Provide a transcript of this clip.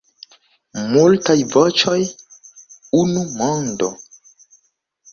Multaj voĉoj, unu mondo.